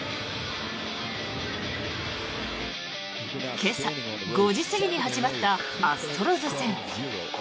今朝、５時過ぎに始まったアストロズ戦。